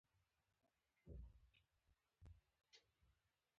لرګی د ماشوم د زده کړې میز جوړوي.